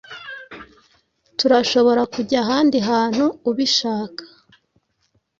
Turashobora kujya ahandi hantu ubishaka.